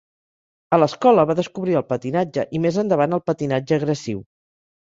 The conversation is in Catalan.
A l'escola va descobrir el patinatge i més endavant el patinatge agressiu.